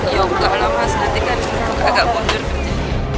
ya nggak lama nanti kan agak bodoh